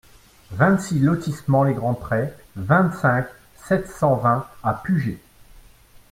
vingt-six lotissement les Grands Prés, vingt-cinq, sept cent vingt à Pugey